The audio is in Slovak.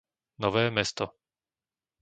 Nové Mesto